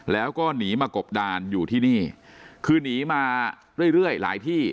แล้วก็หนีมากบดานอยู่ที่นี่คือหนีมาเรื่อยเรื่อยหลายที่